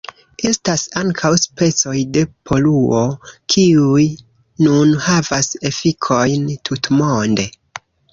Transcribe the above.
Estas ankaŭ specoj de poluo, kiuj nun havas efikojn tutmonde.